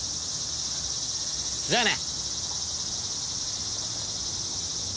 じゃあね！